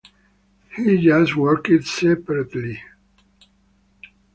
We just worked separately.